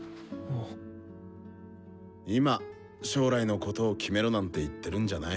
今将来のことを決めろなんて言ってるんじゃない。